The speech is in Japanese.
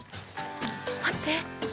待って！